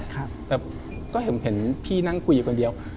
แต่ก็เห็นพี่นั่งคุยอยู่คนเดียว